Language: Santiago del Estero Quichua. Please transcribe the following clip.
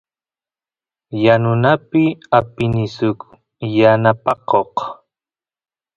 yanunapi apini suk yanapakoq